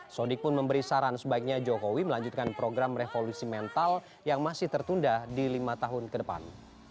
sodik pun memberi saran sebaiknya jokowi melanjutkan program revolusi mental yang masih tertunda di lima tahun ke depan